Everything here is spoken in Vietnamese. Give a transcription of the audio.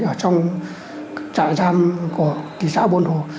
ở trong trại giam của thị xã buôn hồ